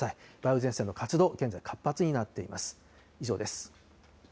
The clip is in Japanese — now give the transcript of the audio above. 梅雨前線の活動、現在活発になっています。